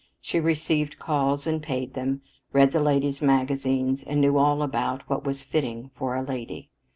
She received calls and paid them, read the ladies' magazines, and knew all about what was "fitting for a lady."